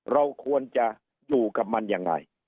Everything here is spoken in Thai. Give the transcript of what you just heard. เราควรจะอยู่กับมันยังไง